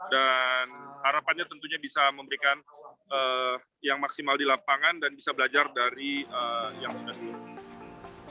dan harapannya tentunya bisa memberikan yang maksimal di lapangan dan bisa belajar dari yang sudah sudah